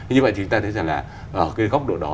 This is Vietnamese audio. như vậy thì chúng ta thấy rằng là ở cái góc độ đó